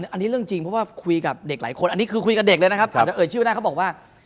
อันนี้เรื่องจริงเพราะว่าคุยกับเด็กหลายคนอันนี้คือคุยกับเด็กเลยนะครับกว่าจะเอ่ยชื่อได้เขาบอกว่า